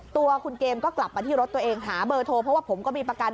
ตัวคุณเกมก็กลับมาที่รถตัวเองหาเบอร์โทรเพราะว่าผมก็มีประกัน